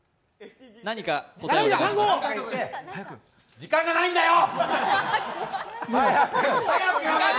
時間がないんだよ！